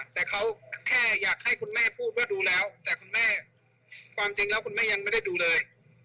แต่เขาแค่อยากให้คุณแม่พูดว่าดูแล้วแต่คุณแม่ความจริงแล้วคุณแม่ยังไม่ได้ดูเลย